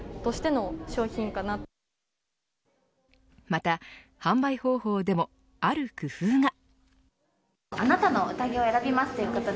また販売方法でもある工夫が。